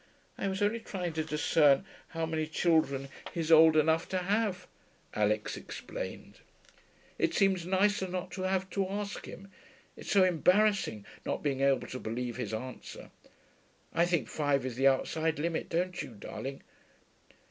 'I was only trying to discern how many children he's old enough to have,' Alix explained. 'It seems nicer not to have to ask him; it's so embarrassing not being able to believe his answer. I think five is the outside limit, don't you, darling?'